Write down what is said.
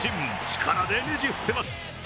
力でねじ伏せます。